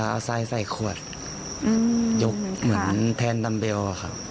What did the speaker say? เอาซ้ายใส่ขวดยกเหมือนแทนดำเบอร์ค่ะ